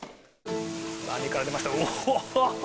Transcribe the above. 網から出ました。